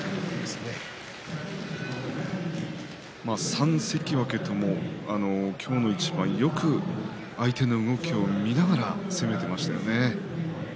３関脇とも今日の一番よく相手の動きを見ながら攻めていましたね。